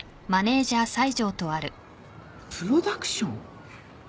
プロダクション？